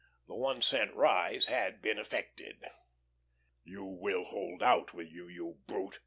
The one cent rise had been effected. "You will hold out, will you, you brute?"